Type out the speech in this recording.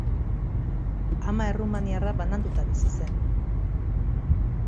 Ama errumaniarra bananduta bizi zen.